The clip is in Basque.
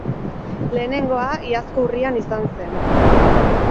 Lehenengoa, iazko urrian izan zen.